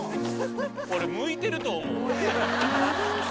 これ向いてると思う。